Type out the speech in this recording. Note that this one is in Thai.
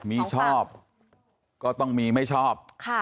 มีชอบก็ต้องมีไม่ชอบ